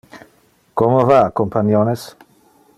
Como va companiones?